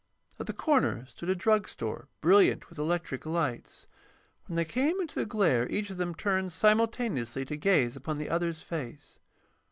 At the corner stood a drug store, brilliant with electric lights. When they came into this glare each of them turned simultaneously to gaze upon the other's face.